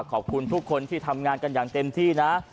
ขอบคุณทุกคนที่ทำงานกันอย่างเต็มที่นะ